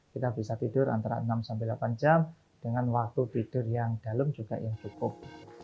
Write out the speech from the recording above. kita bisa tidur antara enam sampai delapan jam dengan waktu tidur yang dalam juga yang cukup